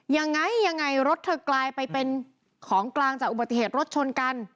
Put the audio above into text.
ยังไงยังไงรถเธอกลายไปเป็นของกลางจากอุบัติเหตุรถชนกัน